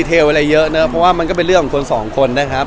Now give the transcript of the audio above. เพราะว่ามันก็เป็นเรื่องของ๒คนนะครับ